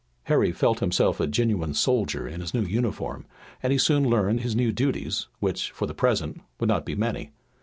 Harry felt himself a genuine soldier in his new uniform, and he soon learned his new duties, which, for the present, would not be many.